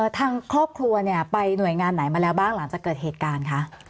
ทางครอบครัวเนี่ยไปหน่วยงานไหนมาแล้วบ้างหลังจากเกิดเหตุการณ์คะ